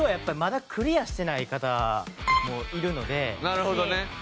なるほどね。